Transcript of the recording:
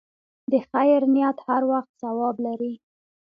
د خیر نیت هر وخت ثواب لري.